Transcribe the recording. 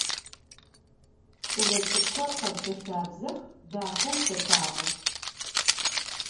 Кӏэлэцӏыкӏухэр къэбзэ-лъабзэх, дахэу фэпагъэх.